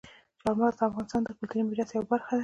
چار مغز د افغانستان د کلتوري میراث یوه برخه ده.